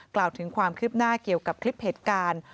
กล่าวถึงความคืบหน้าเกี่ยวกับคลิปเหตุการณ์